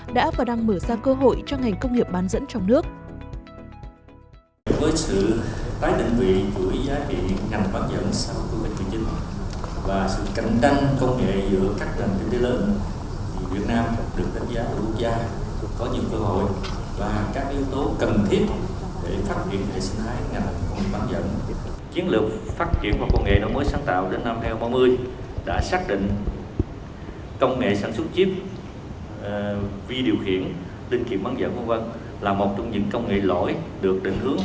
đã và đang mở ra cơ hội cho ngành công nghiệp bán dẫn trong nước